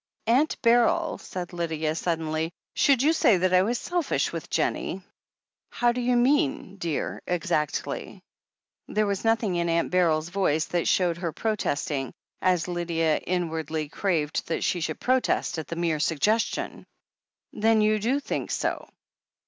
"Aunt Beryl," said Lydia suddenly, "should you say that I was selfish with Jennie ?" "How do you mean, dear, exactly?" There was nothing in Aunt Beryl's voice that showed her protesting, as Lydia inwardly craved that she should protest, at the mere suggestion. Then you do think so?"